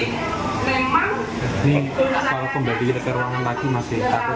ini kalau pembagian ke ruangan lagi masih takut